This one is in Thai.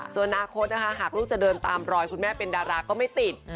ส่วนอนาคตนะคะหากลูกจะเดินตามรอยคุณแม่เป็นดาราก็ไม่ติด